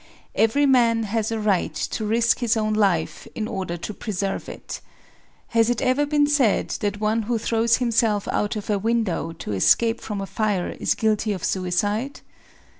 Every man has a right to risk his own life in order to preserve it. Has it ever been said that one who throws himself out of a window to escape from a fire is guilty of suicide?